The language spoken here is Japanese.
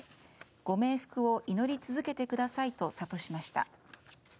ご冥福を祈り続けてくださいとさとしました。